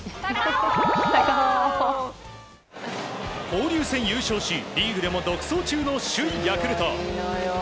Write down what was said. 交流戦優勝しリーグでも独走中の首位ヤクルト。